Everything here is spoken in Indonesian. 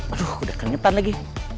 aduh udah keringetan lagi